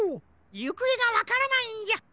ゆくえがわからないんじゃ。